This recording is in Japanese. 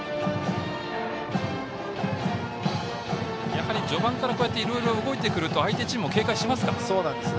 やはり序盤からいろいろ動いてくると相手チームも警戒しますか。